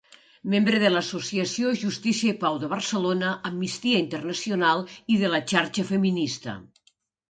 Membre de l'Associació Justícia i Pau de Barcelona, Amnistia Internacional i de la Xarxa Feminista.